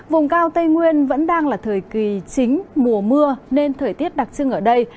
vùng cao tây nguyên vẫn đang là thời kỳ chính mùa mưa nên thời tiết đặc trưng ở đây